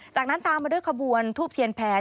จากนั้นตามมาด้วยขบวนทูบเทียนแพร่